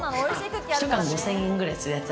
ひと缶５０００円くらいするやつ。